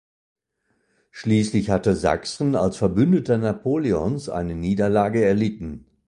Schließlich hatte Sachsen als Verbündeter Napoleons eine Niederlage erlitten.